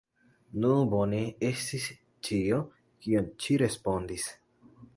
Nu bone! estis ĉio, kion ŝi respondis.